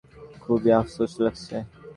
খুবই আফসোস লাগছে।